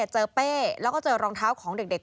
เป้แล้วก็เจอรองเท้าของเด็ก